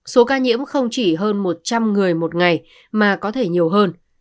số ca nhiễm không chỉ hơn một trăm linh người một ngày mà có thể nhiều hơn